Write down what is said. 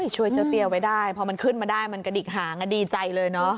ช่วยเจ้าเตี้ยไว้ได้พอมันขึ้นมาได้มันกระดิกหางดีใจเลยเนอะ